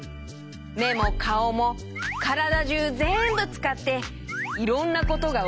めもかおもからだじゅうぜんぶつかっていろんなことがおはなしできるんだよ。